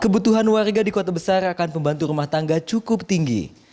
kebutuhan warga di kota besar akan pembantu rumah tangga cukup tinggi